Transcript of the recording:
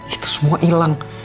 itu semua hilang